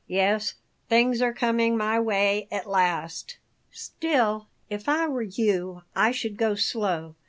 Yes, things are coming my way at last." "Still, if I were you, I should go slow.